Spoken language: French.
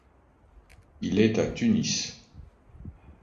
Il est à Tunis.